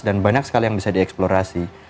dan banyak sekali yang bisa dieksplorasi